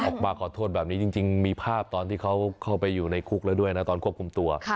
ออกมาขอโทษแบบนี้จริงมีภาพตอนที่เขาเข้าไปอยู่ในคุกแล้วด้วยนะตอนควบคุมตัว